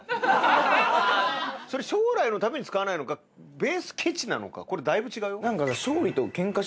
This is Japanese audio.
それ将来のために使わないのかベースケチなのかこれだいぶ違うよ。